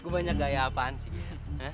gue banyak gaya apaan sih